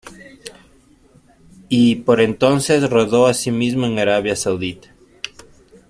Y, por entonces, rodó asimismo en Arabia Saudita.